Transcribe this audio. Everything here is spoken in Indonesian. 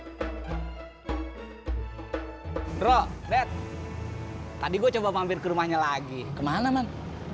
bro lihat tadi gue coba mampir ke rumahnya lagi kemana man